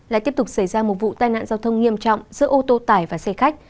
lại tiếp tục xảy ra một vụ tai nạn giao thông nghiêm trọng giữa ô tô tải và xe khách